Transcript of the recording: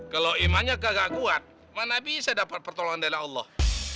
kalau imannya kagak kuat mana bisa dapat pertolongan dari allah